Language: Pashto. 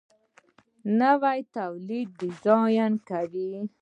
نوي تولیدات ډیزاین کوي.